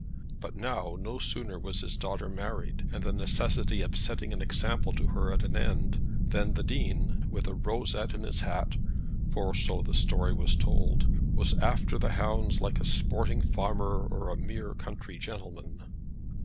But now, no sooner was his daughter married, and the necessity of setting an example to her at an end, than the Dean, with a rosette in his hat, for so the story was told, was after the hounds like a sporting farmer or a mere country gentleman!